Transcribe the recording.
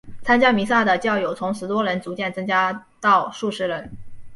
参加弥撒的教友从十多人逐渐增加到数十人。